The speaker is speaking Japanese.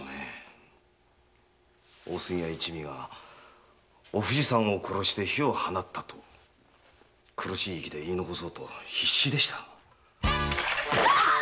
大杉屋一味がお藤さんを殺して火を放ったと苦しい息で言い残そうと必死でした。